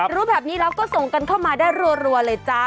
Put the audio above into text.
รู้แบบนี้แล้วก็ส่งกันเข้ามาได้รัวเลยจ้า